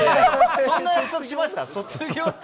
そんな約束しました？